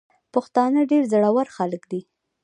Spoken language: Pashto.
پښتانه ډير زړه ور خلګ دي.